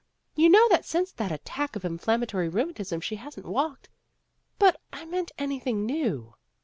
You know that since that attack of inflammatory rheumatism she hasn't walked " "But I meant anything new."